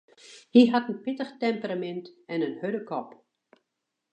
Hy hat in pittich temperamint en in hurde kop.